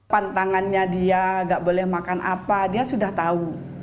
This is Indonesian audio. pantangannya dia nggak boleh makan apa dia sudah tahu